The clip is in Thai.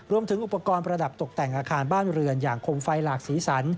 รวมถึงอุปกรณ์ประดับตกแต่งอาคารบ้านเรือนอย่างคมไฟหลากสีสัน